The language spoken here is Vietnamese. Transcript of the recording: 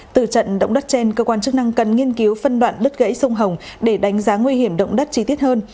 từ trận động đất trên cơ quan chức năng cần nghiên cứu phân đoạn đất gãy sông hồng để đánh giá nguy hiểm động đất chi tiết hơn